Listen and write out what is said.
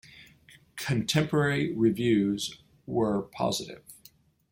Contemporary reviews were positive.